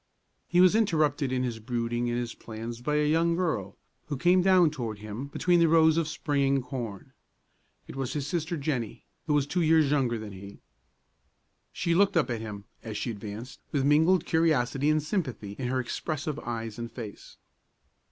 He was interrupted in his brooding and his plans by a young girl, who came down toward him between the rows of springing corn. It was his sister Jennie, who was two years younger than he. She looked up at him, as she advanced, with mingled curiosity and sympathy in her expressive eyes and face.